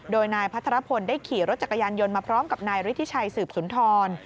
โดยนายพัทรพลได้ขี่รถจักรยานยนต์มาพร้อมกับนายฤทธิชัยสืบสุนทร